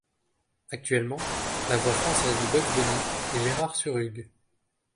Actuellement, la voix française de Bugs Bunny est Gérard Surugue.